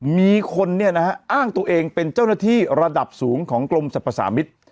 มีคนเนี่ยนะฮะอ้างตัวเองเป็นเจ้าหน้าที่ระดับสูงของกลุ่มสรรพสามิท